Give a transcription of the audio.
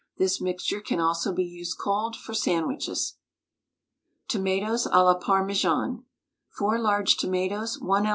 This mixture can also be used cold for sandwiches. TOMATOES À LA PARMESAN. 4 large tomatoes, 1 oz.